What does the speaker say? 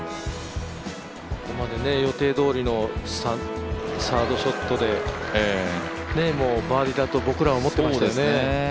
ここまで予定どおりのサードショットでバーディーだと僕らは思ってました。